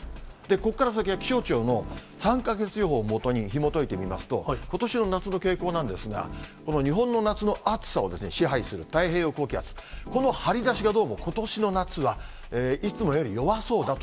ここから先は気象庁の３か月予報を基にひもといてみますと、ことしの夏の傾向なんですが、この日本の夏の暑さをですね、支配する太平洋高気圧、この張り出しがどうも、ことしの夏はいつもより弱そうだと。